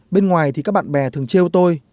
bên ngoài thì các bạn bè thường trêu tôi